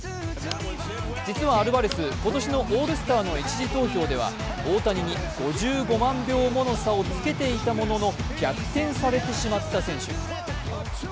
実はアルバレス、今年のオールスターの１次投票では大谷に５５万票もの差をつけていたものの逆転されてしまった選手。